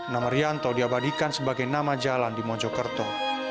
nama rianto diabadikan sebagai nama jalan di mojokerto